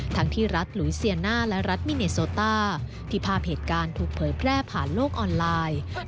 ที่รัฐหลุยเซียน่าและรัฐมิเนโซต้าที่ภาพเหตุการณ์ถูกเผยแพร่ผ่านโลกออนไลน์